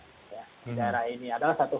di daerah ini adalah satu